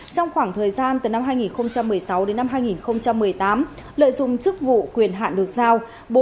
trong khoảng thời gian từ năm hai nghìn một mươi sáu đến năm hai nghìn một mươi tám lợi dụng chức vụ quyền hạn được giao